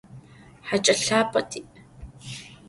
Xaç'e lhap'e ti'.